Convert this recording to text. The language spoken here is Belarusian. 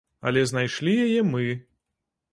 Але знайшлі яе мы.